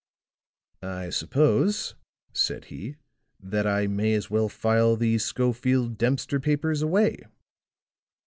"I suppose," said he, "that I may as well file these Schofield Dempster papers away."